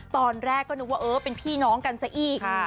ตอนแรกก็นึกว่าเออเป็นพี่น้องกันซะอีก